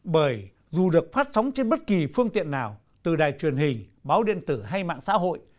bởi dù được phát sóng trên bất kỳ phương tiện nào từ đài truyền hình báo điện tử hay mạng xã hội